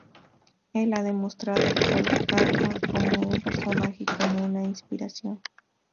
Él ha demostrado Kolkata como un personaje y como una inspiración.